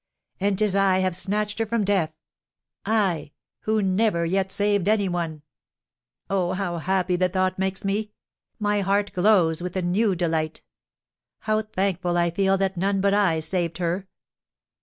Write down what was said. And 'tis I have snatched her from death! I, who never yet saved any one! Oh, how happy the thought makes me! My heart glows with a new delight. How thankful I feel that none but I saved her!